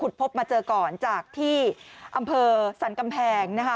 ขุดพันธุ์มาเจอก่อนจากที่อำเภอสรรคำแผงนะฮะ